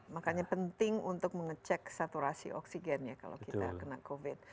makanya penting untuk mengecek saturasi oksigen ya kalau kita kena covid